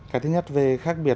cái thứ nhất về khác biệt